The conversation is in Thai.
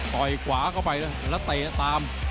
ขวาเข้าไปแล้วเตะตาม